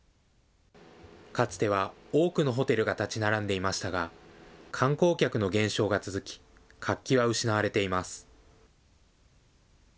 かつては多くのホテルが建ち並んでいましたが、観光客の減少が続き、活気は失われています。